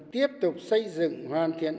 tiếp tục xây dựng hoàn thiện